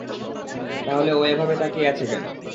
তাহলে ও এভাবে তাকিয়ে আছে কেন?